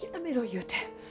言うて。